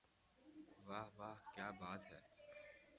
واہ واہ کیا بات ہے